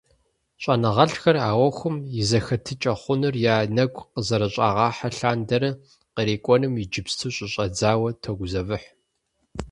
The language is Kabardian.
ЩIэныгъэлIхэр, а Iуэхум и зэхэтыкIэ хъунур я нэгу къызэрыщIагъыхьэ лъандэрэ, кърикIуэнум иджыпсту щыщIэдзауэ тогузэвыхь.